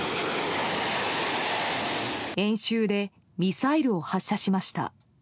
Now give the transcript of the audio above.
演習でミサイルを発射しました。